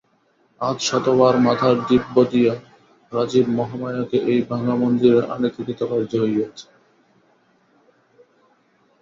আজ শতবার মাথার দিব্য দিয়া রাজীব মহামায়াকে এই ভাঙা মন্দিরে আনিতে কৃতকার্য হইয়াছে।